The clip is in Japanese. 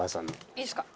いいですか？